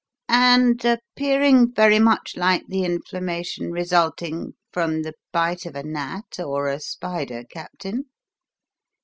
"And appearing very much like the inflammation resulting from the bite of a gnat or a spider, Captain?"